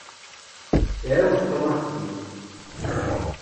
Iɛawed Tom axeddim.